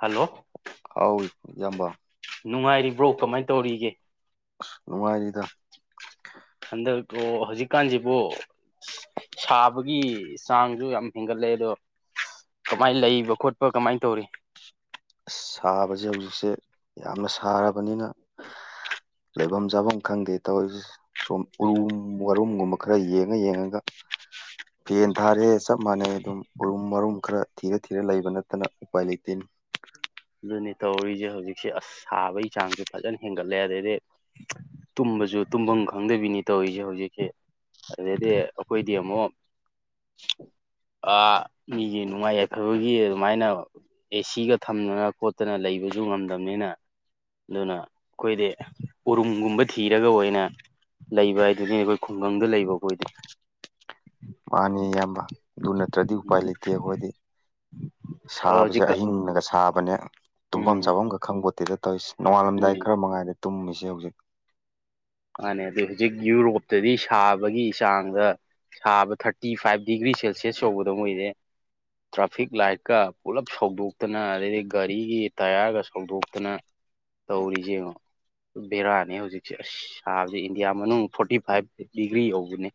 Hello ꯑꯥꯎ ꯏꯌꯥꯝꯕ ꯅꯨꯡꯉꯥꯏꯔꯤꯕ꯭ꯔꯣ ꯀꯃꯥꯏ ꯇꯧꯔꯤꯒꯦ꯫ ꯑꯁ ꯅꯨꯡꯉꯥꯏꯔꯤꯗ꯫ ꯍꯟꯗꯛ ꯔꫭ ꯍꯧꯖꯤꯛꯀꯥꯟꯁꯤꯕꯨ꯫ [unintelligible] ꯁꯥꯕꯒꯤ ꯆꯥꯡꯁꯨ ꯌꯥꯝ ꯍꯦꯟꯒꯠꯂꯛꯑꯦ ꯑꯗꯣ [unintelligible] ꯀꯃꯥꯏꯅ ꯂꯩꯕ ꯈꯣꯠꯄ ꯀꯃꯥꯏꯟ ꯇꯧꯔꯤ꯫ ꯑꯁ ꯁꯥꯕꯁꯦ ꯍꯧꯖꯤꯛꯁꯦ ꯌꯥꯝꯅ ꯁꯥꯔꯕꯅꯤꯅ ꯂꯩꯐꯝ ꯆꯥꯐꯝ ꯈꯪꯗꯦ ꯇꯧꯔꯤꯁꯤ꯫ ꯁꯣꯝ ꯎꯔꯨꯝ ꯋꯥꯔꯨꯝꯒꯨꯝꯕ ꯈꯔ ꯌꯦꯡꯉ ꯌꯦꯡꯉꯒ꯫ ꯐꯦꯟ ꯊꯥꯔꯦ ꯆꯞ ꯃꯥꯟꯅꯩ ꯑꯗꯨꯝ ꯎꯔꯨꯝ ꯃꯔꯨꯝ ꯈꯔ ꯊꯤꯔ-ꯊꯤꯔ ꯂꯩꯕ ꯅꯠꯇꯅ ꯎꯄꯥꯏ ꯂꯩꯇꯦꯅꯦ꯫ ꯑꯗꯨꯅꯤ ꯇꯧꯔꯤꯁꯦ ꯍꯧꯖꯤꯛꯁꯦ ꯑꯁ ꯁꯥꯕꯒꯤ ꯆꯥꯡꯁꯨ ꯐꯖꯅ ꯍꯦꯟꯒꯠꯂꯦ ꯑꯗꯩꯗꯤ꯫ [unintelligible] ꯇꯨꯝꯕꯁꯨ ꯇꯨꯝꯐꯝ ꯈꯪꯗꯕꯤꯅꯤ ꯇꯧꯔꯤꯁꯦ ꯍꯧꯖꯤꯛꯁꯦ꯫ ꯑꯗꯨꯗꯩꯗꯤ ꯑꯩꯈꯣꯏꯗꯤ ꯑꯃꯨꯛ ꯑꯥ ꯃꯤꯒꯤ ꯅꯨꯡꯉꯥꯏ ꯌꯥꯏꯐꯕꯒꯤ ꯑꯗꯨꯃꯥꯏꯅ ꯑꯦꯁꯤꯒ ꯊꯝꯅꯅ ꯈꯣꯠꯇꯅ ꯂꯩꯕꯁꯨ ꯉꯝꯗꯕꯅꯤꯅ꯫ ꯑꯗꯨꯅ ꯈꯣꯏꯗꯤ ꯎꯔꯨꯝꯒꯨꯝꯕ ꯊꯤꯔꯒ ꯑꯣꯏꯅ ꯂꯩꯕ ꯍꯥꯏꯗꯨꯅꯤꯕ ꯈꯨꯡꯒꯪꯗ ꯂꯩꯕ ꯑꯩꯈꯣꯏꯗꯤ꯫ ꯃꯥꯅꯤ ꯏꯌꯥꯝꯕ ꯑꯗꯨ ꯅꯠꯇ꯭ꯔꯗꯤ ꯎꯄꯥꯏ ꯂꯩꯇꯦ ꯑꯈꯣꯏꯗꯤ꯫ ꯁꯥꯕꯁꯦ ꯍꯧꯖꯤꯛꯀ ꯑꯍꯤꯡꯅꯒ ꯁꯥꯕꯅꯦ꯫ ꯇꯨꯝꯐꯝ ꯎꯝ ꯆꯥꯐꯝ ꯈ ꯈꯪꯕꫭꯠꯇꯦꯗ ꯇꯧꯔꯤꯁꯤ ꯅꯣꯡꯉꯥꯜꯂꯝꯗꯥꯏ ꯎꯝ ꯈꯔ ꯃꯉꯥꯏꯔꯦ ꯇꯨꯝꯃꯤꯁꯦ ꯍꯧꯖꯤꯛ꯫ ꯃꯥꯅꯦ ꯑꯗꯨ ꯍꯧꯖꯤꯛ ꯌꯨꯔꯣꯞꯇꯗꯤ ꯁꯥꯕꯒꯤ ꯆꯥꯡꯗ ꯁꯥꯕ ꯊꯥꯔꯇꯤ ꯐꯥꯏꯚ ꯗꯤꯒ꯭ꯔꯤ ꯁꯦꯜꯁꯤꯌꯁ ꯌꯧꯕꯗꯣ ꯃꯣꯏꯁꯦ꯫ ꯇ꯭ꯔꯥꯐꯤꯛ ꯂꯥꯏꯠꯀ ꯄꯨꯜꯂꯞ ꯁꯧꯗꯣꯛꯇꯅ ꯑꯗꯩꯗꯤ ꯒꯥꯔꯤꯒꯤ ꯇꯌꯥꯔꯒ ꯁꯧꯗꯣꯛꯇꯅ꯫ ꯇꯧꯔꯤꯁꯤ ꯌꯦꯉꯣ ꯕꯦꯔꯥꯅꯦ ꯍꯧꯖꯤꯛꯁꯦ ꯑꯁ꯫ ꯁꯥꯕꯁꯤ ꯏꯟꯗꯤꯌꯥ ꯃꯅꯨꯡ ꯐꯣꯔꯇꯤ ꯐꯥꯏꯚ ꯗꯤꯒ꯭ꯔꯤ ꯌꯧꯕꯤꯅꯤ꯫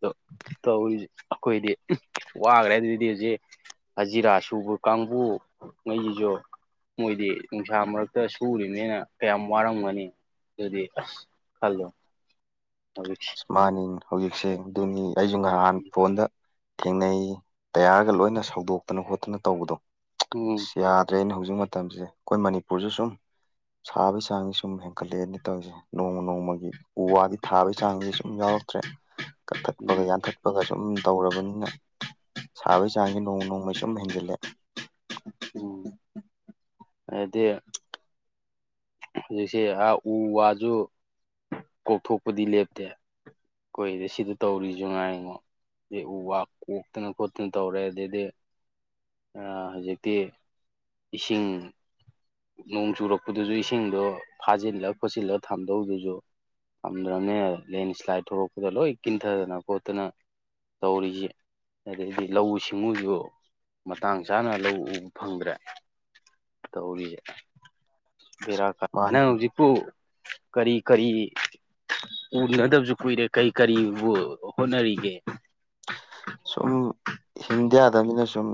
ꯗꫭ ꯇꯧꯔꯤꯁꯦ ꯑꯈꯣꯏꯗꯤ [unintelligible] ꯋꯥꯈ꯭ꯔꯦ ꯑꯗꯨꯗꯤ ꯍꯧꯖꯤꯛ ꯍꯖꯤꯔꯥ ꯁꯨꯕ ꯀꯥꯡꯕꯨ ꯉꯩꯁꯤꯁꯨ ꯃꯣꯏꯗꯤ ꯅꯨꯡꯁꯥ ꯃꯔꯛꯇ ꯁꯨꯔꯤꯅꯤꯅ ꯀꯌꯥꯝ ꯋꯥꯔꯝꯒꯅꯤ ꯑꯗꯨꯗꯤ ꯑꯁ꯫ ꯈꯜꯂꫭ ꯍꯧꯖꯤꯛꯁꯦ꯫ ꯃꯥꯅꯤꯟ ꯍꯧꯖꯤꯛꯁꯦ ꯑꯗꯨꯅꯤ ꯑꯩꯁꯨ ꯉꯍꯥꯟ ꯐꯣꯟꯗ ꯊꯦꯡꯅꯩ ꯇꯌꯥꯔꯒ ꯂꯣꯏꯅ ꯁꯧꯗꯣꯛꯇꯅ ꯈꯣꯠꯇꯅ ꯇꯧꯕꯗꯣ [unintelligible] ꯎꯝ ꯑꯁ ꯌꯥ ꯗ꯭ꯔꯦꯟ ꯍꯧꯖꯤꯛ ꯃꯇꯝꯁꯦ ꯑꯈꯣꯏ ꯃꯅꯤꯄꯨꯔꯁꯨ ꯁꯨꯝ ꯁꯥꯕꯒꯤ ꯆꯥꯡꯁꯦ ꯁꯨꯝ ꯍꯦꯟꯀꯠꯂꯛꯑꯦꯅꯦ ꯇꯧꯏꯁꯦ ꯅꯣꯡꯃ ꯅꯣꯡꯃꯒꯤ ꯎ ꯋꯥꯗꯤ ꯊꯥꯕ ꯆꯥꯡꯁꯦ ꯁꯨꯝ ꯌꯥꯎꯔꯛꯇ꯭ꯔꯦ ꯀꯛꯊꯠꯄꯒ ꯎꯝ ꯌꯥꯟꯊꯠ ꯄꯒ ꯁꯨꯝ ꯇꯧꯔꯕꯅꯤꯅ ꯁꯥꯕꯒꯤ ꯆꯥꯡꯁꯦ ꯅꯣꯡ ꯅꯣꯡꯃꯒꯤ ꯁꯨꯝ ꯍꯦꯟꯖꯜꯂꯦ꯫ ꯎꯝ ꯍꯥꯏꯗꯤ ꯍꯧꯖꯤꯛꯁꯦ ꯎ ꯋꯥꯁꯨ ꯀꯣꯛꯊꯣꯛꯄꯗꯤ ꯂꯦꯞꯇꯦ ꯀꯨꯏꯔꯦ ꯁꯤꯗ ꯇꯧꯔꯤꯁꯨ ꯉꯥꯏꯉꯣ ꯑ ꯎ ꯋꯥ ꯀꯣꯛꯇꯅ ꯈꯣꯠꯇꯅ ꯇꯧꯔꯦ ꯑꯗꯩꯗꯤ ꯍꯧꯖꯤꯛꯇꯤ ꯏꯁꯤꯡ ꯅꯣꯡ ꯆꯨꯔꯛꯄꯗꯨꯁꯨ ꯏꯁꯤꯡꯗꯣ ꯐꯥꯖꯤꯜꯂ ꯈꯣꯠꯆꯤꯜꯂ ꯊꯝꯗꯧꯗꯨꯁꯨ ꯉꯝꯗ꯭ꯔꯕꯅꯦ ꯂꯦꯟꯁ꯭ꯂꯥꯏꯠ ꯊꯣꯛꯂꯛꯄꯗ ꯂꯣꯏ ꯀꯤꯟꯊꯗꯅ ꯈꯣꯠꯇꯅ ꯇꯧꯔꯤꯁꯤ ꯑꯗꯩꯗꯤ ꯂꯧꯎ ꯁꯤꯡꯎꯁꯨ ꯃꯇꯥꯡ ꯆꯥꯅ ꯂꯧ ꯎꯕ ꯐꯪꯗ꯭ꯔꯦ ꯇꯧꯔꯤꯁꯦ ꯕꯦꯔꯥ ꯀꯥꯏ ꯃꯥꯅꯤ ꯅꯪ ꯍꯧꯖꯤꯛꯄꯨ ꯀꯔꯤ ꯀꯔꯤ ꯎꯅꯗꯕꯁꯨ ꯀꯨꯏꯔꯦ ꯀꯔꯤ ꯀꯔꯤꯕꯨ ꯍꯣꯠꯅꯔꯤꯒꯦ ꯁꯨꯝ ꯍꯤꯡꯗ ꯌꯥꯗꯕꯅꯤꯅ ꯁꯨꯝ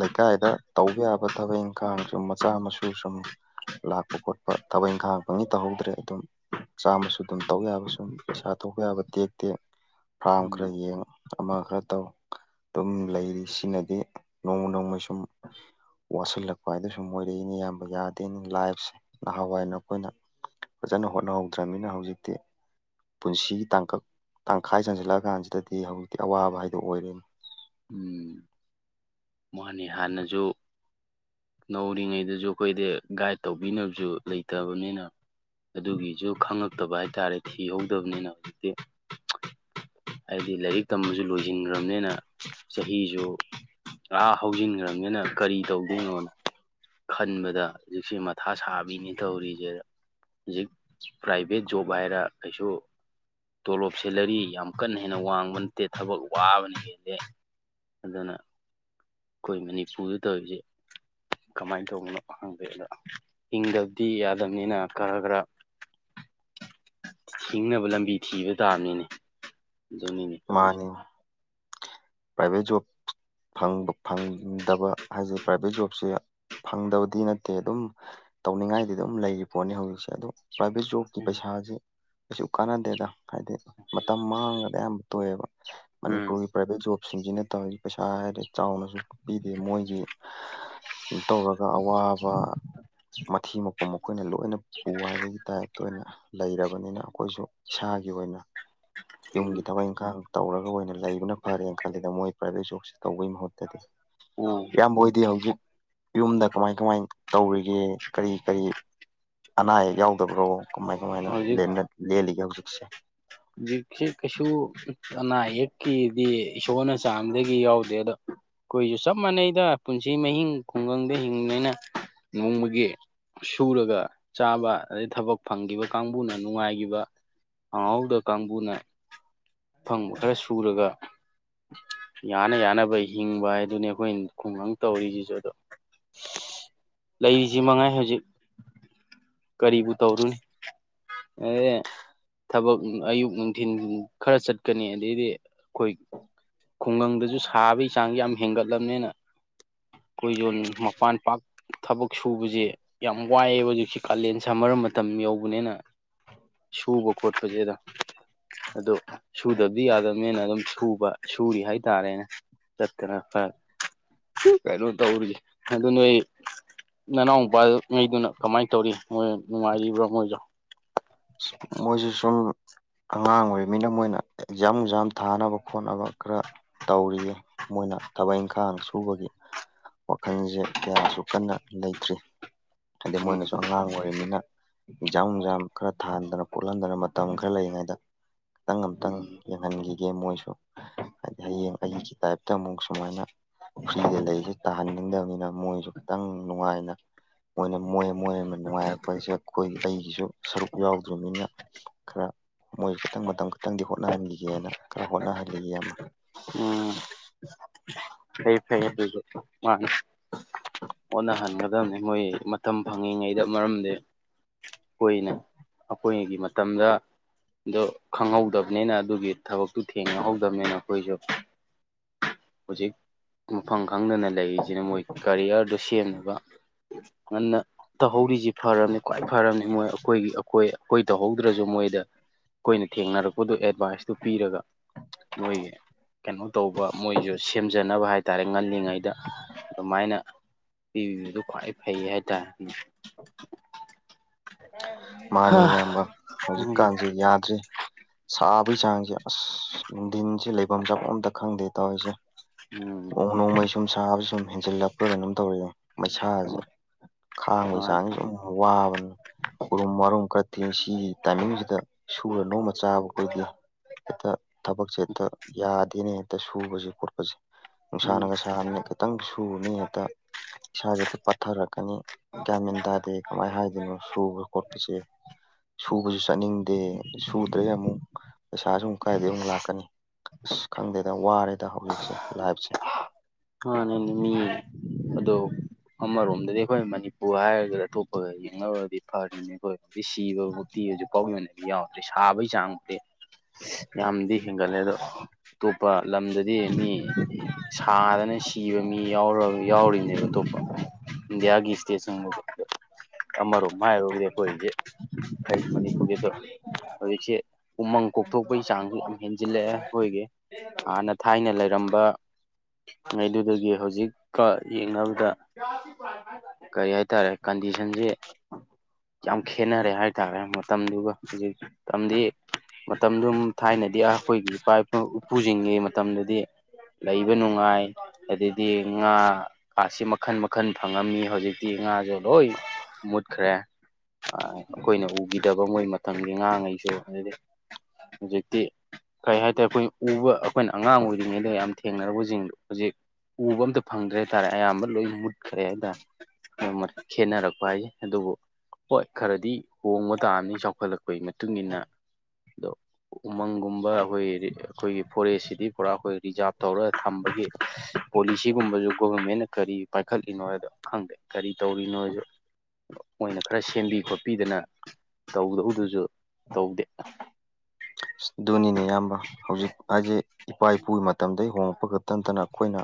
ꯂꯩꯀꯥꯏꯗ ꯇꯧꯕ ꯌꯥꯕ ꯊꯕꯛ ꯏꯪꯈꯥꯡ ꯁꯨꯝ ꯃꯆꯥ ꯃꯁꯨ ꯁꯨꯝ ꯂꯥꯛꯄ ꯈꯣꯠꯄ ꯊꯕꯛ ꯏꯪꯈꯥꯡ ꯐꯪꯉꯤ ꯇꯧꯍꯧꯗ꯭ꯔꯦ ꯑꯗꯨꯝ ꯃꯆꯥ-ꯃꯁꯨ ꯗꯨꯝ ꯇꯧ ꯌꯥꯕ ꯁꯨꯝ ꯄꯩꯁꯥ ꯊꯣꯛꯄ ꯌꯥꯕ ꯇꯦꯛ ꯇꯦꯛ ꯐꯥꯝ ꯈꯔ ꯎꯝ ꯌꯦꯡ ꯑꯃ ꯈꯔ ꯇꯧ ꯑꯗꯨꯝ ꯂꯩꯔꯤ ꯁꯤꯅꯗꯤ ꯅꯣꯡꯃ ꯅꯣꯡꯃꯩ ꯁꯨꯝ ꯋꯥꯠꯁꯤꯜꯂꯛꯄ ꯍꯥꯏꯗꯨ ꯁꯨꯝ ꯑꯣꯏꯔꯛꯏꯅꯦ ꯏꯌꯥꯝꯕ ꯌꯥꯗꯦꯅ ꯂꯥꯏꯐꯁꯦ ꯅꯍꯥꯟꯋꯥꯏ ꯑꯩꯈꯣꯏꯅ ꯐꯖꯅ ꯍꯣꯠꯅ ꯍꯧꯗ꯭ꯔꯕꯅꯤꯅ ꯍꯧꯖꯤꯛꯇꯤ ꯄꯨꯟꯁꯤꯒꯤ ꯇꯥꯡꯀꯛ ꯇꯪꯈꯥꯏ ꯆꯟꯁꯤꯜꯂꯛꯑ ꯀꯥꯟꯁꯤꯗꯗꯤ ꯍꯧꯖꯤꯛꯇꯤ ꯑꯋꯥꯕ ꯍꯥꯏꯗꯣ ꯑꯣꯏꯔꯦꯅꯦ ꯎꯝ ꯃꯥꯅꯤ ꯍꯥꯟꯅꯁꯨ ꯅꯧꯔꯤꯉꯩꯗꯁꯨ ꯑꯩꯈꯣꯏꯗꯤ ꯒꯥꯏꯠ ꯇꯧꯕꯤꯅꯕꯁꯨ ꯂꯩꯇꯕꯅꯤꯅ ꯑꯗꯨꯒꯤꯁꯨ ꯈꯪꯉꯛꯇꯕ ꯍꯥꯏꯇꯥꯔꯦ ꯊꯤꯍꯧꯗꯕꯅꯤꯅ ꯍꯧꯖꯤꯛ ꯍꯥꯏꯗꯤ ꯂꯥꯏꯔꯤꯛ ꯇꯝꯕꯁꯨ ꯂꯣꯏꯁꯤꯟꯈ꯭ꯔꯕꯅꯤꯅ ꯆꯍꯤꯁꯨ ꯑꯥ ꯍꯧꯖꯤꯟꯈ꯭ꯔꯕꯅꯤꯅ ꯀꯔꯤ ꯇꯧꯗꯣꯏꯅꯣꯅ ꯈꯟꯕꯗ ꯍꯧꯖꯤꯛꯁꯤ ꯃꯊꯥ ꯁꯥꯕꯤꯅꯤ ꯇꯧꯔꯤꯁꯦ ꯍꯧꯖꯤꯛ ꯄ꯭ꯔꯥꯏꯚꯦꯠ ꯖꯣꯕ ꯍꯥꯏꯔ ꯀꯩꯁꯨ ꯇꯣꯂꯣꯞ ꯁꯦꯜꯂꯔꯤ ꯌꯥꯝ ꯀꯟꯅ ꯍꯦꯟꯅ ꯋꯥꯡꯕ ꯅꯠꯇꯦ ꯊꯕꯛ ꯋꯥꯕꯅ ꯍꯦꯜꯂꯦ ꯑꯗꯨꯅ ꯈꯣꯏ ꯃꯅꯤꯄꯨꯔꯗ ꯇꯧꯔꯤꯁꯦ ꯀꯃꯥꯏꯅ ꯇꯧꯕꯅꯣ ꯈꯪꯗꯦ ꯑꯗꯨ ꯍꯤꯡꯗꯕꯗꯤ ꯌꯥꯗꯕꯅꯤꯅ ꯈꯔ ꯈꯔ ꯍꯤꯡꯅꯕ ꯂꯝꯕꯤ ꯊꯤꯕ ꯇꯥꯕꯅꯤꯅꯦ ꯑꯗꯨꯝ ꯃꯥꯅꯤ ꯄ꯭ꯔꯥꯏꯚꯦꯠ ꯖꯣꯕ ꯐꯪꯕ ꯐꯪꯗꯕ ꯍꯥꯏꯁꯦ ꯄ꯭ꯔꯥꯏꯚꯦꯠ ꯖꯣꯕꯁꯦ ꯐꯪꯗꯕꯗꯤ ꯅꯠꯇꯦ ꯑꯗꯨꯝ ꯇꯧꯅꯤꯡꯉꯥꯏꯗꯤ ꯑꯗꯨꯝ ꯂꯩꯔꯤ ꯄꯣꯠꯅꯤ ꯍꯧꯖꯤꯛꯁꯦ ꯑꯗꯣ ꯄ꯭ꯔꯥꯏꯕꯦꯠ ꯖꯣꯕ ꯎꯝ ꯄꯩꯁꯥꯥꯁꯦ ꯀꯩꯁꯨ ꯀꯥꯟꯅꯗꯦꯗ ꯍꯥꯏꯗꯤ ꯃꯇꯝ ꯃꯥꯡꯉꯒ ꯑꯌꯥꯝꯕ ꯇꯣꯛꯑꯦꯕ ꯎꯝ ꯃꯅꯤꯄꯨꯔꯒꯤ ꯄ꯭ꯔꯥꯏꯚꯦꯠ ꯖꯣꯕꯁꯤꯡꯁꯤꯅ ꯇꯧꯔꯤꯁꯦ ꯄꯩꯁꯥ ꯍꯥꯏꯔꯦ ꯆꯥꯎꯅꯁꯨ ꯄꯤꯗꯦ ꯃꯣꯏꯒꯤ ꯇꯧꯔꯒ ꯑꯋꯥꯕ ꯃꯊꯤ ꯃꯀꯨꯝ ꯃꯈꯣꯏꯅ ꯂꯣꯏꯅ [unintelligible] ꯄꯥꯏꯕꯒꯤ ꯇꯥꯏꯞꯇ ꯑꯣꯏꯅ ꯂꯩꯔꯕꯅꯤꯅ ꯑꯩꯈꯣꯏꯁꯨ ꯏꯁꯥꯒꯤ ꯑꯣꯏꯅ ꯎꯝ ꯌꯨꯝꯒꯤ ꯊꯕꯛ ꯏꯪꯈꯥꯡ ꯇꯧꯔꯒ ꯑꯣꯏꯅ ꯂꯩꯕꯅ ꯐꯔꯦ ꯈꯂꯦꯗ ꯃꯣꯏ ꯄ꯭ꯔꯥꯏꯚꯦꯠ ꯖꯣꯕꯁꯦ ꯇꯧꯕꯩ ꯃꯍꯨꯠꯇꯗꯤ ꯎꯝ ꯏꯌꯥꯝꯕ ꯍꯣꯢꯗꯤ ꯍꯧꯖꯤꯛ ꯌꯨꯝꯗ ꯀꯃꯥꯏ ꯀꯃꯥꯏ ꯇꯧꯔꯤꯒꯦ ꯀꯔꯤ ꯀꯔꯤ ꯑꯅꯥ ꯑꯌꯦꯛ ꯌꯥꯎꯗꯕ꯭ꯔꯣ ꯀꯃꯥꯏ ꯀꯃꯥꯏꯅ ꯍꯧꯖꯤꯛ ꯂꯦꯟꯅ ꯂꯦꯜꯂꯤꯒꯦ ꯍꯧꯖꯤꯛꯁꯦ ꯍꯧꯖꯤꯛꯁꯦ ꯀꯩꯁꯨ ꯑꯅꯥ ꯑꯌꯦꯛꯀꯤꯗꯤ ꯏꯁꯣꯔꯅ ꯆꯥꯟꯕꯗꯒꯤ ꯌꯥꯎꯗꯦ ꯑꯗꯣ ꯑꯩꯈꯣꯏꯁꯨ ꯆꯞ ꯃꯥꯟꯅꯩꯗ ꯄꯨꯟꯁꯤ ꯃꯍꯤꯡ ꯈꯨꯡꯒꯪꯗ ꯍꯤꯡꯕꯅꯤꯅ ꯅꯣꯡꯃꯒꯤ ꯁꯨꯔꯒ ꯆꯥꯕ ꯑꯗꯩ ꯊꯕꯛ ꯐꯪꯈꯤꯕ ꯀꯥꯡꯕꯨꯅ ꯅꯨꯡꯉꯥꯏꯈꯤꯕ ꯐꯪꯍꯧꯗ ꯀꯥꯡꯕꯨꯅ ꯑꯐꯪꯕ ꯈꯔ ꯁꯨꯔꯒ ꯌꯥꯅ ꯌꯥꯅꯕ ꯍꯤꯡꯕ ꯍꯥꯏꯗꯨꯅꯤ ꯑꯩꯈꯣꯏ ꯈꯨꯡꯒꯪ ꯇꯧꯔꯤꯁꯤꯁꯨ ꯑꯗꯣ ꯂꯩꯔꯤꯁꯤ ꯃꯉꯥꯏ ꯍꯧꯖꯤꯛ ꯀꯔꯤꯕꯨ ꯇꯧꯔꯨꯅꯤ ꯑꯦ [unintelligible] ꯊꯕꯛ ꯑꯌꯨꯛ ꯅꯨꯡꯊꯤꯟ ꯈꯔ ꯆꯠꯀꯅꯤ ꯑꯗꯩꯗꯤ ꯈꯣꯏ ꯈꯨꯡꯒꯪꯗꯁꯨ ꯁꯥꯕꯩ ꯆꯥꯡꯁꯦ ꯌꯥꯝ ꯍꯦꯟꯒꯠꯂꯕꯅꯤꯅ ꯈꯣꯏꯁꯨ ꯃꯄꯥꯟ ꯄꯥꯛ ꯊꯕꯛ ꯁꯨꯕꯁꯦ ꯌꯥꯝ ꯋꯥꯏꯌꯦꯕ ꯍꯧꯖꯤꯛꯁꯦ ꯀꯥꯂꯦꯟ ꯁꯝꯃꯔ ꯃꯇꯝ ꯌꯧꯕꯅꯤꯅ ꯁꯨꯕ ꯈꯣꯠꯄꯁꯤꯗ ꯑꯗꯣ ꯁꯨꯗꯕꯗꯤ ꯌꯥꯗꯕꯅꯤꯅ ꯑꯗꯨꯝ ꯁꯨꯕ ꯁꯨꯔꯤ ꯍꯥꯏꯇꯥꯔꯦꯅꯦ ꯆꯠꯇꯅ ꯈꯔꯥ ꯀꯩꯅꯣ ꯇꯧꯔꯤ ꯑꯗꯨ ꯅꫭꯏ ꯅꯅꯥꯎ ꯅꯨꯄꯥ ꯉꯩꯗꯨꯅ ꯀꯃꯥꯏ ꯇꯧꯔꯤ ꯃꯣꯏ ꯅꯨꯡꯉꯥꯏꯔꯤꯕ꯭ꯔꯥ ꯃꯣꯏꯁꯨ ꯃꯣꯏꯁꯨ ꯁꯨꯝ ꯑꯉꯥꯡ ꯑꯣꯏꯔꯤꯃꯤꯅ ꯃꯣꯏꯅ ꯑꯦꯛꯖꯥꯝ ꯅꯨꯡꯖꯥꯝ ꯊꯥꯅꯕ ꯈꯣꯠꯅꯕ ꯈꯔꯥ ꯇꯧꯔꯤꯌꯦ ꯃꯣꯏꯅ ꯊꯕꯛ ꯏꯪꯈꯥꯡ ꯁꯨꯕꯒꯤ ꯋꯥꯈꯜꯁꯦ ꯀꯌꯥꯁꯨ ꯀꯟꯅ ꯂꯩꯇ꯭ꯔꯤ ꯍꯥꯏꯗꯤ ꯎꯝ ꯃꯣꯏꯅꯁꯨ ꯑꯉꯥꯡ ꯑꯣꯏꯔꯤꯅꯤꯅ ꯑꯦꯛꯖꯥꯝ ꯅꯨꯡꯖꯥꯝ ꯈꯔꯥ ꯊꯥꯍꯟꯗꯅ ꯈꫭꯠꯍꯟꯗꯅ ꯃꯇꯝ ꯈꯔꯥ ꯂꯩꯔꯤꯉꯩꯗ ꯈꯤꯇꯪ ꯑꯃꯇꯪ ꯎꯝ ꯌ‌ꯦꯡ ꯊꯍꯟꯈꯤꯒꯦ ꯃꯣꯏꯁꯨ ꯍꯌꯦꯡ ꯎꯝ ꯑꯩꯒꯤ ꯇꯥꯏꯞꯇ ꯑꯃꯨꯛ ꯁꯨꯃꯥꯏꯅ ꯄꯨꯈ꯭ꯔꯤꯗ ꯂꯩꯔꯤꯁꯤ ꯇꯥꯍꯟꯅꯤꯡꯗꯕꯅꯤꯅ ꯃꯣꯏꯁꯨ ꯈꯤꯇꯪ ꯅꯨꯡꯉꯥꯏꯅ ꯃꯣꯏꯅ ꯃꯣꯏ ꯃꯣꯏ ꯑꯃꯥ ꯅꯨꯡꯉꯥꯏꯔꯛꯄ ꯍꯥꯏꯁꯦ ꯑꯩꯈꯣꯏ ꯑꯩꯒꯤꯁꯨ ꯁꯔꯨꯛ ꯌꯥꯎꯗ꯭ꯔꫭꯕꯅꯤꯅ ꯈꯔꯥ ꯃꯣꯏ ꯈꯤꯇꯪ ꯃꯇꯝ ꯈꯛꯇꯪꯗꯤ ꯍꯣꯠꯅꯍꯟꯈꯤꯒꯦꯅ ꯈꯔꯥ ꯍꯣꯠꯅꯍꯜꯂꯤ ꯏꯌꯥꯝꯕ ꯎꯝ ꯐꯩ ꯐꯩꯌ‌ꯦ ꯑꯗꯨꯁꯨ ꯃꯥꯅꯦ ꯍꯣꯠꯅꯍꯟꯒꯗꯕꯅꯤ ꯃꯣꯏ ꯃꯇꯝ ꯐꯪꯉꯤꯉꯩꯗ ꯃꯔꯝꯗꯤ ꯀꯨꯏꯅꯥ ꯑꯩꯈꯣꯏꯒꯤ ꯃꯇꯝꯗ ꯑꯗꯣ ꯈꯪꯍꯧꯗꯕꯅꯤꯅ ꯑꯗꯨꯒꯤ ꯊꯕꯛ ꯇꯨ ꯊꯦꯡꯅꯍꯧꯗꯕꯅꯤꯅ ꯑꯩꯈꯣꯏꯁꯨ ꯍꯧꯖꯤꯛ ꯃꯐꯝ ꯈꯪꯗꯅ ꯂꯩꯔꯤꯁꯤꯅ ꯃꯣꯏ ꯀꯔꯤꯌꯔꯗꯨ ꯁꯦꯝꯅꯕ ꯉꯟꯅꯥ ꯇꯧꯍꯧꯔꯤꯁꯤ ꯐꯔꯕꯅꯤ ꯈ꯭ꯋꯥꯏ ꯐꯔꯕꯅꯤ ꯃꯣꯏ ꯑꯩꯈꯣꯏꯒꯤ ꯑꯩꯈꯣꯏ ꯑꯩꯈꯣꯏ ꯇꯧꯍꯧꯗ꯭ꯔꯁꯨ ꯃꯣꯏꯗ ꯑꯩꯈꯣꯏꯅ ꯊꯦꯡꯅꯔꯛꯄꯗꯨ ꯑꯦꯗꯚꯥꯏꯁꯇꯨ ꯄꯤꯔꯒ ꯃꯣꯏ ꯀꯩꯅꯣ ꯇꯧꯕ ꯃꯣꯏꯁꯨ ꯁꯦꯝ ꯖꯅꯕ ꯍꯥꯏꯇꯥꯔꯦ ꯉꯜꯂꯤꯉꯩꯗ ꯑꯗꯨꯃꯥꯏꯅ ꯄꯤꯕꯤꯕꯗꯨ ꯈ꯭ꯋꯥꯏ ꯐꯩ ꯍꯥꯏꯇꯥꯔꯦ [unintelligible] ꯃꯥꯅꯤ ꯍꯥ ꯏꯌꯥꯝꯕ ꯎꯝ ꯍꯧꯖꯤꯛꯀꯥꯟꯁꯤ ꯌꯥꯗ꯭ꯔꯤ ꯁꯥꯕꯩ ꯆꯥꯡꯁꯦ ꯑꯁ ꯅꯨꯡꯊꯤꯟꯁꯦ ꯂꯩꯐꯝ ꯆꯥꯐꯝ ꯑꯝꯇ ꯈꯪꯗꯦ ꯇꯧꯔꯤꯁꯦ ꯎꯝ ꯅꫭꯡ ꯅꯣꯡꯃꯩ ꯁꯨꯝ ꯁꯥꯕ ꯁꯨꯝ ꯍꯦꯟꯖꯤꯜꯂꯛꯄ꯭ꯔꯥ ꯀꯩꯅꯣꯝ ꯇꯧꯔꯤꯅ‌ꯦ ꯃꯩꯁꯥꯁꯦ ꯎꯝ ꯈꯥꯡꯕꯒꯤ ꯆꯥꯡꯁ‌ꯦ ꯑꯗꯨꯝ ꯋꯥꯕꯅꯤ ꯎ꯭ꯔꯨꯝ ꯋꯔꯨꯝ ꯈꯔꯥ ꯊꯤ ꯁꯤꯒꯤ ꯇꯥꯏꯃꯤꯡꯁꯤꯗ ꯁꯨꯔ ꯅꯣꯡꯃ ꯆꯥꯕ ꯈꯣꯏꯗꯤ ꯍꯦꯛꯇ ꯊꯕꯛꯁꯦ ꯍꯦꯛꯇ ꯌꯥꯗꯦꯅꯦ ꯍꯦꯛꯇ ꯁꯨꯕꯁꯦ ꯈꯣꯠꯄꯁꯦ ꯎꯝ ꯅꯨꯡꯁꯥꯅꯒ ꯁꯥꯥꯕꯅ‌ꯦ ꯈꯤꯇꯪ ꯁꯨꯔꯨꯅꯤ ꯍꯦꯛꯇ ꯏꯁꯥꯁꯦ ꯍ‌ꯦꯇ ꯄꯠꯊꯔꯛꯀꯅꯤ ꯒ꯭ꯌꯥꯟ ꯃ‌ꯦꯟ ꯇꯥꯗꯦ ꯀꯃꯥꯏ ꯍꯥꯏꯗꯣꯏꯅꯣ ꯁꯨꯕ ꯈꯣꯠꯄꯁꯦ ꯁꯨꯕꯁꯨ ꯆꯠꯅꯤꯡꯗꯦ ꯁꯨꯗ꯭ꯔꯒ ꯑꯃꯨꯛ ꯄꯩꯁꯥꯁꯨ ꯑꯃꯨꯛ ꯀꯥꯏꯗꯩ ꯑꯃꯨꯛ ꯂꯥꯛꯀꯅꯤ ꯑꯁ ꯈꯪꯗꯦꯗ ꯋꯥꯔꯦꯗ ꯍꯧꯖꯤꯛꯁꯦ ꯂꯥꯏꯞꯁꯦ ꯃꯥꯟꯅꯤ ꯃꯤ ꯑꯗꯣ ꯑꯃꯔꯣꯝꯗꯗꯤ ꯑꯩꯈꯣꯏ ꯃꯅꯤꯄꯨꯔ ꯍꯥꯏꯔꯒ ꯑꯇꯣꯞꯄꯒ ꯌꯦꯡꯅꯔꯨꯔꯗꯤ ꯐꯔꯤꯅꯦ ꯈꯣꯏ ꯁꯤꯕ ꯕꯛꯇꯤ ꯍꯧꯖꯤꯛ ꯐꯥꯎꯒꯤ ꯑꯣꯏꯅꯗꯤ ꯌꯥꯎꯗ꯭ꯔꯤ ꯁꯥꯕꯩ ꯆꯥꯡꯕꯨꯗꯤ ꯌꯥꯝꯗꯤ ꯍꯦꯟꯒꯠꯂꯦ ꯑꯗꯣ ꯇꯣꯞꯄ ꯂꯝꯗꯗꯤ ꯃꯤ ꯁꯥꯗꯅ ꯁꯤꯕ ꯃꯤ ꯌꯥꯎꯔ ꯌꯥꯎꯔꯤꯅꯦꯕ ꯇꯣꯞ ꯄ ꯏꯟꯗꯤꯌꯥꯒꯤ ꯏꯁꯇ‌ꯦꯠ [unintelligible] ꯑꯃꯔꯣꯝ ꯍꯥꯏꯔꯨꯗꯤ ꯑꯈꯣꯏꯗꯤ [unintelligible] ꯃꯅꯤꯄꯨꯔꯒꯤꯁꯨ ꯍꯧꯖꯤꯛꯁꯦ ꯎꯃꯪ ꯀꯣꯛꯊꯣꯛꯄꯩ ꯆꯥꯡꯁꯤ ꯌꯥꯝ ꯍꯦꯟꯖꯤꯜꯂ‌ꯦꯑꯦ ꯑꯩꯈꯣꯏꯒꯤ ꯍꯥꯟꯅ ꯊꯥꯏꯅ ꯂꯩꯔꯝꯕ ꯉꯩꯗꯨꯗꯒꯤ ꯍꯧꯖꯤꯛꯀ ꯌꯦꯡꯅꯕꯗ ꯀꯔꯤ ꯍꯥꯏꯇꯥꯔꯦ ꯀꯟꯗꯤꯁꯟꯁꯤ ꯌꯥꯝ ꯈꯦꯠꯅꯔꯦ ꯍꯥꯏꯇꯥꯔꯦ ꯃꯇꯝꯗꯨꯒ ꯍꯨꯖꯤꯛ ꯃꯇꯝꯗꯤ ꯃꯇꯝꯗꯨꯝ ꯊꯥꯏꯅꯗꯤ ꯑꯩꯈꯣꯏꯒꯤ ꯏꯄꯥ ꯏ ꯏꯄꯨꯁꯤꯡꯒꯤ ꯃꯇꯝꯗꯨꯗꯤ ꯂꯩꯕ ꯅꯨꯡ ꯉꯥꯏ ꯑꯗꯨꯗꯩꯗꯤ ꯉꯥ ꯄꯥꯠꯁꯤ ꯃꯈꯟ ꯃꯈꯟ ꯐꯪꯉꯝꯃꯤ ꯍꯧꯖꯤꯛꯇꯤ ꯉꯥꯁꯨ ꯂꯣꯏ ꯃꯨꯠꯈ꯭ꯔꯦ ꯑ ꯑꯈꯣꯏꯅ ꯎꯈꯤꯗꯕ ꯃꯣꯏ ꯃꯇꯝꯒꯤ ꯉꯉꯥꯡꯉꯩꯁꯨ ꯑꯗꯨꯗꯩ ꯍꯧꯖꯤꯛꯇꯤ ꯀꯩ ꯍꯥꯏꯇꯥꯔ ꯑꯩꯈꯣꯏ ꯎꯕ ꯑꯈꯣꯏꯅ ꯑꯉꯥꯡ ꯑꯣꯏꯔꯤꯉꯩꯗ ꯌꯥꯝ ꯊꯦꯡꯅꯔꯕꯖꯤꯡꯗꯣ ꯍꯨꯖꯤꯛ ꯎꯕ ꯑꯝꯇ ꯐꯪꯗ꯭ꯔꯦ ꯍꯥꯏꯇꯥꯔꯦ ꯑꯌꯥꯝꯕ ꯂꯣꯏ ꯃꯨꯠꯈ꯭ꯔꯦ ꯍꯥꯏꯇꯥꯔ [unintelligible] ꯈꯦꯠꯅꯔꯛꯄ ꯍꯥꯏꯖ‌ꯦ ꯑꯗꯨꯕꯨ ꯍꯣꯏ ꯈꯔꯗꯤ ꯍꯣꯡꯕ ꯇꯥꯕꯅꯤ ꯆꯥꯎꯈꯠꯂꯛ ꯄꯩ ꯃꯇꯨꯡ ꯏꯟꯅ ꯗꯣ ꯎꯃꯪꯒꯨꯝꯕ ꯑꯈꯣꯏ ꯔꯤ ꯑꯈꯣꯏꯒꯤ ꯐꯣꯔꯦꯁꯁꯤꯗꯤ ꯄꯨꯔꯥ ꯑꯩꯈꯣꯏ ꯔꯤꯖꯥꯕ ꯇꯧꯔ ꯊꯝꯕꯒꯤ ꯄꯣꯂꯤꯁꯤꯒꯨꯝꯕꯖꯨ ꯒꯣꯔꯃꯦꯟꯅ ꯀꯔꯤ ꯄꯥꯏꯈꯠꯂꯤꯅꯣ ꯍꯥꯏꯗꯣ ꯈꯪꯗꯦ ꯀꯔꯤ ꯇꯧꯔꯤꯅꯣꯖꯨ ꯃ‌ꯣꯏꯅ ꯈꯔ ꯁꯦꯝꯕꯤ ꯈꯣꯠꯄꯤꯗꯅ ꯇꯧꯗꯧꯗꯨꯁꯨ ꯇꯧꯗꯦ ꯑꯁ ꯗꯨꯅꯤꯅꯦ ꯏꯌꯥꯝꯕ ꯍꯧꯖꯤꯛ ꯍꯥꯏꯖ‌ꯦ ꯏꯄꯥ ꯏꯄꯨꯒꯤ ꯃꯇꯝꯗꯩ ꯍꯣꯉꯛꯄ ꯈꯛꯇ ꯅꯠꯇꯅ ꯈꯣꯏꯅ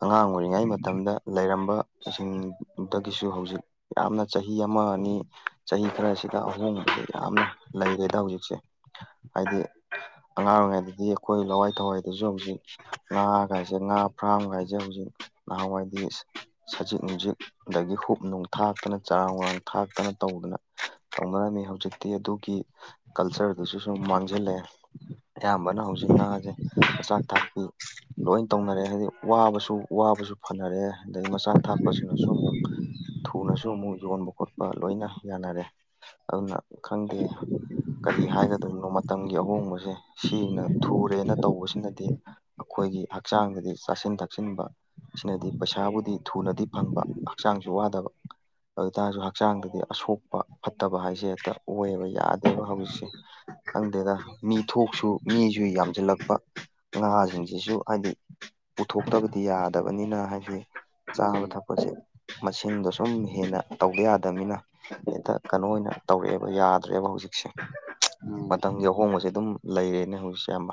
ꯑꯉꯥꯡ ꯑꯣꯏꯔꯤꯉꯩ ꯃꯇꯝꯗ ꯂꯩꯔꯝꯕ ꯑꯁꯤꯡ ꯗꯒꯤꯁꯨ ꯍꯧꯖꯤꯛ ꯌꯥꯝꯅ ꯆꯍꯤ ꯑꯃ ꯑꯅꯤ ꯆꯍꯤ ꯈꯔꯁꯤꯗ ꯑꯍꯣꯡꯕꯁꯦ ꯌꯥꯝꯅ ꯂꯩꯔꯦꯗ ꯍꯧꯖꯤꯛꯁꯦ ꯍꯥꯏꯗꯤ ꯑꯉꯥꯡ ꯑꯣꯏꯔꯤꯉꯩꯗꯗꯤ ꯑꯩꯈꯣꯏ ꯂꯋꯥꯏ ꯊꯋꯥꯏꯗꯁꯨ ꯍꯧꯖꯤꯛ ꯉꯥ ꯒꯥꯏꯁꯦ ꯉꯥ ꯐ꯭ꯔꯥꯝꯒ ꯍꯥꯏꯖ‌ꯦ ꯍꯧꯖꯤꯛ ꯅꯍꯥꯟꯋꯥꯏꯗꯤ ꯏꯁ ꯁꯖꯤꯛ ꯅꯨꯡꯁꯤꯛ ꯑꯗꯒꯤ ꯍꯨꯞ ꯅꯨꯡ ꯊꯥꯛꯇꯅ ꯆꯔꯥꯡ ꯋꯥꯔꯥꯡ ꯊꯥꯛꯇꯅ ꯇꯧꯗꯅ ꯇꯧꯅꯔꯝꯃꯤ ꯍꯧꯖꯤꯛꯇꯤ ꯑꯗꯨꯒꯤ ꯀꯜꯆꯔꯗꯨꯁꯨ ꯁꯨꯝ ꯃꯥꯡꯖꯤꯜꯂꯑꯦ ꯑꯌꯥꯝꯕꯅ ꯍꯧꯖꯤꯛ ꯉꯥꯖ‌ꯦ ꯃꯆꯥꯛ ꯊꯥꯛꯄꯤ ꯂꯣꯏꯟ ꯇꯧꯅꯔ‌ꯦ ꯍꯥꯏꯗꯤ ꯋꯥꯕꯁꯨ ꯋꯥꯕꯁꯨ ꯐꯅꯔꯦ ꯑꯗꯩ ꯃꯆꯥꯛ ꯊꯥꯛꯄꯁꯤꯅꯁꯨ ꯑꯃꯨꯛ ꯊꯨꯅꯁꯨ ꯑꯃꯨꯛ ꯌꯣꯟꯕ ꯈꯣꯠꯄ ꯂꯣꯏꯅ ꯌꯥꯅꯔꯦ ꯑꯗꯨꯅ ꯈꯪꯗꯦ ꯀꯔꯤ ꯍꯥꯏꯒꯗꯕꯅꯣ ꯃꯇꯝꯒꯤ ꯑꯍꯣꯡꯕꯖ‌ꯦ ꯁꯤꯅ ꯊꯨꯔꯦꯅ ꯇꯧꯕꯁꯤꯅꯗꯤ ꯑꯈꯣꯏꯒꯤ ꯍꯛꯆꯥꯡꯗꯗꯤ ꯆꯥꯁꯤꯟ ꯊꯛꯁꯤꯟꯕ ꯁꯤꯅꯗꯤ ꯄꯩꯁꯥꯕꯨꯗꯤ ꯊꯨꯅꯗꯤ ꯐꯪꯕ ꯍꯛꯆꯥꯡꯁꯨ ꯋꯥꯗꯕ ꯑꯗꯨ ꯇꯥꯔꯁꯨ ꯍꯛꯆꯥꯡꯗꯗꯤ ꯑꯁꯣꯛꯄ ꯐꯠꯇꯕ ꯍꯥꯏꯁꯦ ꯍꯦꯛꯇ ꯑꯣꯏꯕ ꯌꯥꯗꯦꯕ ꯍꯧꯖꯤꯛꯁꯦ ꯈꯪꯗꯦꯗ ꯃꯤ ꯊꯣꯛꯁꯨ ꯃꯤꯁꯨ ꯌꯥꯝꯖꯤꯜꯂꯛꯄ ꯉꯥꯁꯤꯡꯁꯤꯁꯨ ꯍꯥꯏꯗꯤ ꯄꯨꯊꯣꯛꯇꯕꯗꯤ ꯌꯥꯗꯕꯅꯤꯅ ꯍꯥꯏꯗꯤ ꯆꯥꯕ ꯎꯝ ꯊꯛꯄꯁꯦ ꯃꯁꯤꯡꯗꯣ ꯁꯨꯝ ꯍꯦꯟꯅ ꯇꯧꯗ ꯌꯥꯗꯕꯅꯤꯅ ꯍ‌ꯦꯛꯇ ꯀꯩꯅꯣ ꯑꯣꯏꯅ ꯇꯧꯔꯛꯑꯦꯕ ꯌꯥꯗ꯭ꯔꯦꯕ ꯍꯧꯖꯤꯛꯁꯦ ꯎꯝ ꯃꯇꯝꯒꯤ ꯑꯍꯣꯡꯕꯖꯦ ꯑꯗꯨꯝ ꯂꯩꯔꯦꯅꯦ ꯍꯧꯖꯤꯛꯁꯦ ꯑꯌꯥꯝꯕ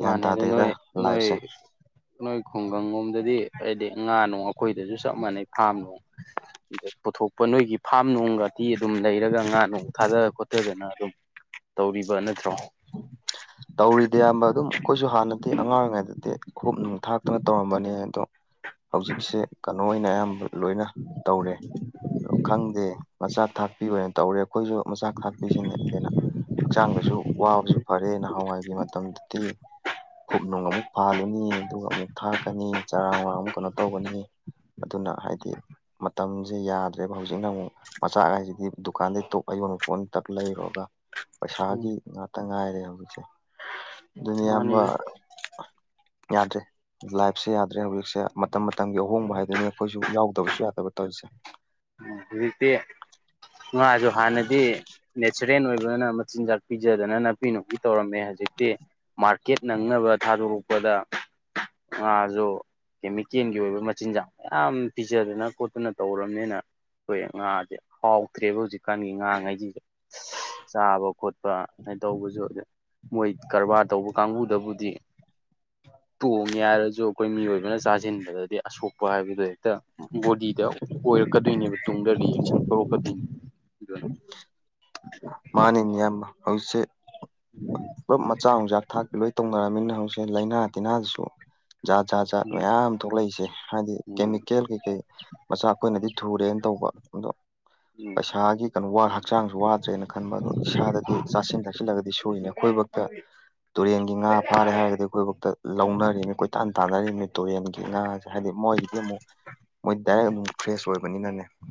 ꯒ꯭ꯌꯥꯟ ꯃꯥꯅꯦ ꯑꯗꯨ ꯇꯥꯗꯦꯗ ꯅꯣꯏ ꯅꯣꯏ ꯂꯥꯏꯐꯁꯦ ꯅꯣꯏ ꯈꯨꯡꯒꯪ ꯂꯣꯝꯗꯗꯤ ꯑꯩꯗꯤ ꯉꯥ ꯅꯨꯡ__ ꯑꯩꯈꯣꯏꯗꯖꯨ ꯆꯞ ꯃꯥꯟꯅꯩ ꯐꯥꯝ ꯅꯨꯡ ꯑꯗꯩ ꯄꯨꯊꯣꯛ__ ꯄ ꯅꯣꯏꯒꯤ ꯐꯥꯝ ꯅꯨꯡꯒꯇꯤ ꯑꯗꯨꯝ ꯂꯩꯔꯒ ꯉꯥ ꯅꯨꯡ ꯊꯥꯗ ꯈꯣꯠꯊꯗꯅ ꯑꯗꯨꯝ ꯇꯧꯔꯤꯕ ꯅꯠꯇ꯭ꯔꯣ ꯇꯧꯔꯤꯗ ꯏꯌꯥꯝꯕ ꯑꯗꯨꯝ ꯑꯩꯈꯣꯏꯁꯨ ꯍꯥꯟꯅꯗꯤ ꯑꯉꯥꯡ ꯑꯣꯏꯔꯤꯉꯩꯗꯗꯤ ꯈꯣꯞ ꯅꯨꯡ ꯊꯥꯛꯇꯅ ꯇꯧꯔꯝꯕꯅꯤ ꯑꯗꯣ ꯍꯧꯖꯤꯛꯁꯦ ꯀꯥꯅꯣ ꯑꯣꯏꯅ ꯑꯌꯥꯝꯕ ꯂꯣꯏꯅ ꯇꯧꯔꯦ ꯑꯗꯣ ꯈꯪꯗꯦ ꯃꯆꯥꯛ ꯊꯥꯛꯄꯤ ꯑꯣꯏꯅ ꯇꯧꯔꯦ ꯑꯩꯈꯣꯏꯖꯨ ꯃꯆꯥꯛ ꯊꯥꯛꯄꯤꯁꯤꯅ ꯍꯦꯟꯅ ꯍꯛꯆꯥꯡꯗꯁꯨ ꯋꯥꯕꯁꯨ ꯐꯔꯦ ꯅꯍꯥꯋꯥꯏꯒꯤ ꯃꯇꯝꯗꯗꯤ ꯍꯨꯞ ꯅꯨꯡ ꯑꯃꯨꯛ ꯐꯥꯜꯂꯨꯅꯤ ꯑꯗꯨꯒ ꯑꯃꯨꯛ ꯊꯥꯛꯀꯅꯤ ꯆꯔꯥꯡ ꯅꯨꯔꯥꯡ ꯑꯃꯨꯛ ꯀꯅꯣ ꯇꯧꯒꯅꯤ ꯑꯗꯨꯅ ꯍꯥꯏꯗꯤ ꯃꯇꯝꯖꯦ ꯌꯥꯗ꯭ꯔꯦꯕ ꯍꯧꯖꯤꯛꯅ ꯑꯃꯨꯛ ꯃꯆꯥꯛ ꯍꯥꯏꯖꯤꯗꯤ ꯗꯨꯀꯥꯟꯗꯩ ꯇꯣꯞ ꯑꯌꯣꯟꯕ ꯄꯣꯠꯅꯤꯅ ꯇꯛ ꯂꯩꯔꯨꯔꯒ ꯎꯝ ꯄꯩꯁꯥꯒꯤ ꯉꯥꯠ__ ꯇ ꯉꯥꯏꯔꯦ ꯍꯧꯖꯤꯛꯁꯦ ꯑꯗꯨꯅꯤ ꯏꯌꯥꯝꯕ ꯃꯥꯅꯤꯅꯦ ꯌꯥꯗ꯭ꯔꯦ ꯂꯥꯏꯐꯁꯦ ꯌꯥꯗ꯭ꯔꯦ ꯍꯧꯖꯤꯛꯁꯦ ꯃꯇꯝ ꯃꯇꯝꯒꯤ ꯑꯍꯣꯡꯕ ꯍꯥꯏꯗꯨꯅꯤ ꯑꯩꯈꯣꯏꯁꯨ ꯌꯥꯎꯗꯕꯁꯨ ꯌꯥꯗꯕ ꯇꯧꯔꯤꯁꯦ ꯍꯧꯖꯤꯛꯇꯤ ꯉꯥꯖꯨ ꯍꯥꯟꯅꯗꯤ ꯅꯦꯆꯔꯦꯜ ꯑꯣꯏꯕꯅ ꯃꯆꯤꯟꯖꯥꯛ ꯄꯤꯖꯗꯅ ꯅꯥꯄꯤ ꯅꯨꯡꯄꯤ ꯇꯧꯔꯝꯃꯦ ꯍꯧꯖꯤꯛꯇꯤ ꯃꯥꯔꯀꯦꯠ ꯅꯪꯅꯕ ꯊꯥꯗꯣꯔꯛꯄꯗ ꯉꯥꯖꯨ ꯀꯦꯃꯤꯀꯦꯟꯒꯤ ꯑꯣꯏꯕ ꯃꯆꯤꯟꯖꯥꯛ ꯃꯌꯥꯝ ꯄꯤꯖꯗꯅ ꯈꯣꯠꯇꯅ ꯇꯧꯔꯝꯅꯤꯅ ꯈꯣꯏ ꯉꯥꯖꯦ ꯍꯥꯎꯇ꯭ꯔꯦꯕ ꯍꯧꯖꯤꯛꯀꯥꯟꯒꯤ ꯉꯥꯉꯩꯖꯤꯖꯨ ꯁꯁ ꯆꯥꯕ ꯈꯣꯠꯄ ꯑꯩ ꯇꯧꯕꯖꯨꯗꯦ__ ꯃꯣꯏ ꯀꯔꯕꯥꯔ ꯇꯧꯕ ꯀꯥꯡꯕꯨꯗꯕꯨꯗꯤ ꯇꯣꯡꯉꯦ ꯍꯥꯏꯔꯖꯨ ꯑꯩꯈꯣꯏ ꯃꯤꯑꯣꯏꯕꯅ ꯆꯥꯁꯤꯟꯕꯗꯗꯤ ꯑꯁꯣꯛꯄ ꯍꯥꯏꯕꯗꯣ ꯍꯦꯛꯇ ꯕꯣꯗꯤꯗ ꯑꯣꯏꯔꯛꯀꯗꯣꯏꯅꯦꯕ ꯇꯨꯡꯗ ꯔꯤꯌꯦꯛꯁꯟ ꯇꯧꯔꯛꯀꯗꯣꯏꯅꯤ ꯑꯗꯨꯅ ꯃꯥꯅꯤꯅꯦ ꯏꯌꯥꯝꯕ ꯍꯧꯖꯤꯛꯁꯦ [inaudible] ꯄꯨꯜꯂꯞ ꯃꯆꯥꯛ ꯅꯨꯖꯥꯛ ꯊꯥꯛꯇ ꯂꯣꯏ ꯇꯧꯅꯔꯃꯤꯅ ꯍꯧꯁꯦ ꯂꯩꯅꯥ ꯇꯤꯅꯥꯁꯨ ꯖꯥꯠ ꯖꯥ ꯖꯥꯠ ꯎꯝ ꯃꯌꯥꯝ ꯊꯣꯛꯂꯛꯏꯁꯦ ꯍꯥꯏꯗꯤ ꯎꯝ ꯀꯦꯃꯤꯀꯦꯜ ꯀꯩꯀꯩ ꯃꯆꯥ ꯑꯩꯈꯣꯏꯅꯗꯤ ꯊꯨꯔꯦꯅ ꯇꯧꯕ ꯑꯗꯣ ꯎꯝ ꯄꯩꯁꯥꯒꯤ ꯀꯅꯣ ꯋꯥ ꯍꯛꯆꯥꯡꯁꯨ ꯋꯥꯗ꯭ꯔꯦꯅ ꯈꯟꯕ ꯑꯗꯣ ꯏꯁꯥꯗꯗꯤ ꯆꯥꯁꯤꯟ ꯊꯛꯁꯤꯜꯂꯒꯗꯤ ꯁꯣꯏꯅꯦ ꯌꯦꯉꯣ__ ꯑꯩꯈꯣꯏꯕꯛꯇ ꯇꯨꯔꯦꯟꯒꯤ ꯉꯥ ꯐꯥꯔꯦ ꯍꯥꯏꯔꯒꯗꯤ ꯑꯩꯈꯣꯏꯕꯧꯛꯇ ꯂꯧꯅꯔꯤꯅꯤ ꯀꯣꯏꯇꯥꯟ ꯇꯥꯟꯅꯔꯤꯝꯅꯤ ꯇꯨꯔꯦꯟꯒꯤ ꯉꯥꯁꯦ ꯍꯥꯏꯗꯤ ꯃꯣꯏꯒꯤ__ ꯒꯤ ꯑꯃꯨꯛ ꯃꯣꯏ ꯗꯥꯏꯔꯦꯛ ꯑꯗꯨꯝ ꯐ꯭ꯔꯦꯁ ꯑꯣꯏꯕꯅꯤꯅꯅꯦ